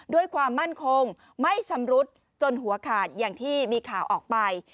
ด้วยความมั่นคงไม่ชำรุดจนหัวขาดอย่างที่มีข่าวออกไป